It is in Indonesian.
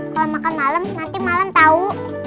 kalau makan malam nanti malam tahu